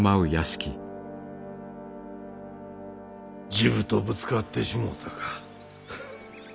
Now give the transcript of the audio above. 治部とぶつかってしもうたか。